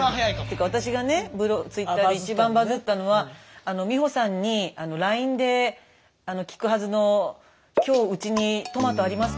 てか私がねＴｗｉｔｔｅｒで一番バズったのは美穂さんにＬＩＮＥで聞くはずの今日うちにトマトありますか？